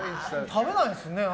食べないんですね。